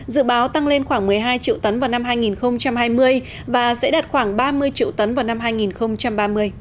dự báo tăng lên khoảng một mươi hai triệu tấn vào năm hai nghìn hai mươi và sẽ đạt khoảng ba mươi triệu tấn vào năm hai nghìn ba mươi